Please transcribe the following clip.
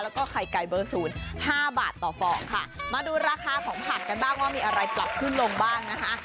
แล้วก็ไข่ไก่เบอร์ศูนย์ห้าบาทต่อฟองค่ะมาดูราคาของผักกันบ้างว่ามีอะไรปรับขึ้นลงบ้างนะคะ